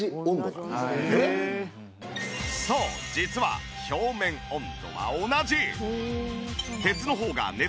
そう実は表面温度は同じ！